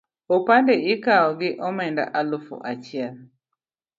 Opande ikawo gi omenda alufu achiel